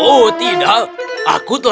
dia menggunakan ikan sebelah untuk berbicara